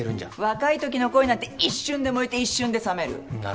若いときの恋なんて一瞬で燃えて一瞬で冷める。